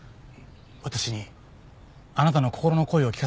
私にあなたの心の声を聞かせてほしい。